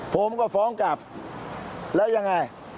ผมก็ฟ้องกลับแล้วยังไง